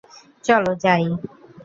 চলো, যাই।